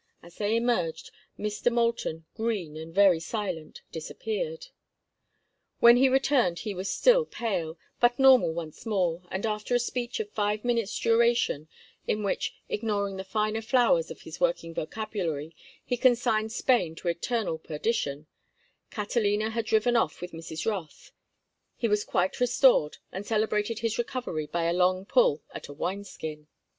As they emerged, Mr. Moulton, green and very silent, disappeared. When he returned he was still pale, but normal once more, and after a speech of five minutes' duration, in which, ignoring the finer flowers of his working vocabulary, he consigned Spain to eternal perdition—Catalina had driven off with Mrs. Rothe—he was quite restored, and celebrated his recovery by a long pull at a wine skin.